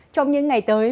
trong những ngày tới